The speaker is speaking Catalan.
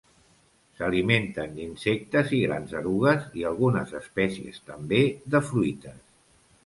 S'alimenten d'insectes i grans erugues i algunes espècies també de fruites.